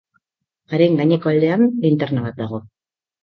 Haren gaineko aldean, linterna bat dago.